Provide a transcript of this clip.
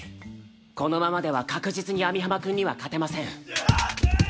このままでは確実に網浜くんには勝てません。